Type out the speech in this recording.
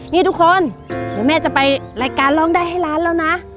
นี่ทุกคนเดี๋ยวแม่จะไปรายการร้องได้ให้ล้านแล้วนะ